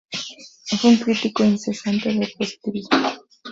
Fue un crítico incesante del positivismo.